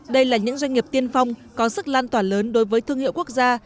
đây là những doanh nghiệp tiên phong có sức lan tỏa lớn đối với thương hiệu quốc gia